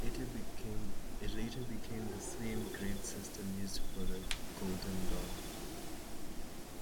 It later became the same grade system used for the Golden Dawn.